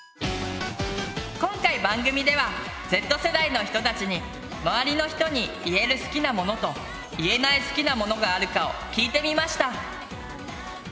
今回番組ではＺ世代の人たちに周りの人に言える好きなものと言えない好きなものがあるかを聞いてみました。